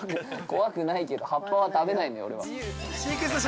◆怖くないんだけど、葉っぱは食べないんだよ、俺は。